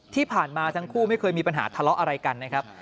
ที่ผ่านมาทั้งคู่ไม่เคยมีปัญหาทะเลาะอะไรกันนะครับ